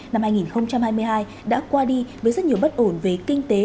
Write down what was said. năm hai nghìn hai mươi hai đã qua đi với rất nhiều bất ổn về kinh tế